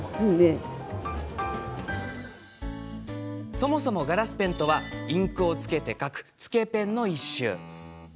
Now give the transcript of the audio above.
そもそも、ガラスペンとはインクをつけて書くつけペンの一種。